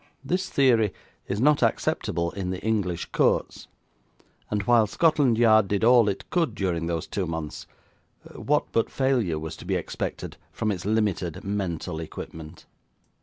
This theory is not acceptable in the English Courts, and while Scotland Yard did all it could during those two months, what but failure was to be expected from its limited mental equipment?